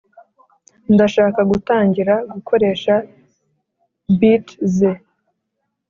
Ndashaka gutangira gukoresha beat ze